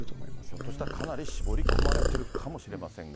ひょっとしたらかなり絞り込まれているかもしれませんが。